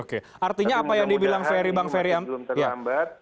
tapi mudah mudahan ini masih belum terlambat